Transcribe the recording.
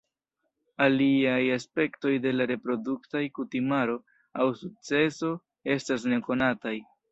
Aliaj aspektoj de la reproduktaj kutimaro aŭ sukceso estas nekonataj.